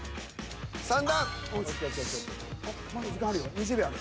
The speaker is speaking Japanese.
２０秒ある。